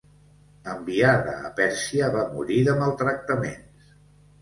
Enviada a Pèrsia va morir de maltractaments.